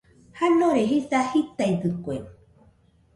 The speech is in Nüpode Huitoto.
Janore jisa jitaidɨkue.